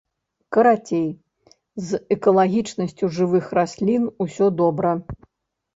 Карацей, з экалагічнасцю жывых раслін усё добра.